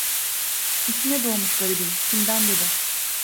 İçine doğmuş garibin… "Kimden?" dedi.